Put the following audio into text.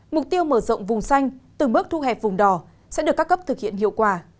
mục tiêu mở rộng vùng xanh từng bước thu hẹp vùng đỏ sẽ được các cấp thực hiện hiệu quả